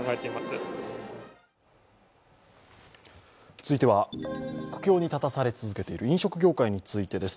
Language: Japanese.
続いては苦境に立たされ続けている飲食業界についてです。